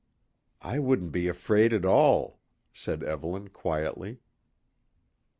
"I wouldn't be afraid at all," said Evelyn quietly.